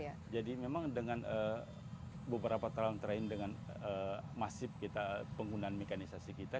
ya jadi memang dengan beberapa tahun terakhir dengan masif kita penggunaan mekanisasi kita